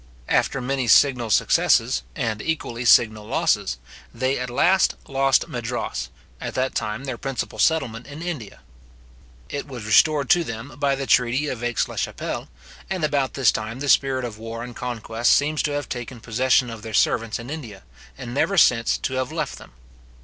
After many signal successes, and equally signal losses, they at last lost Madras, at that time their principal settlement in India. It was restored to them by the treaty of Aix la Chapelle; and, about this time the spirit of war and conquest seems to have taken possession of their servants in India, and never since to have left them.